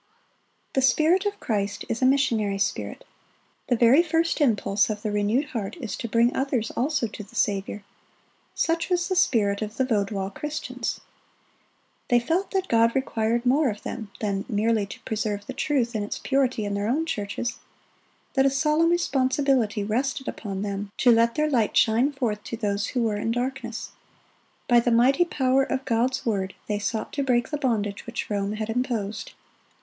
The spirit of Christ is a missionary spirit. The very first impulse of the renewed heart is to bring others also to the Saviour. Such was the spirit of the Vaudois Christians. They felt that God required more of them than merely to preserve the truth in its purity in their own churches; that a solemn responsibility rested upon them to let their light shine forth to those who were in darkness; by the mighty power of God's word they sought to break the bondage which Rome had imposed.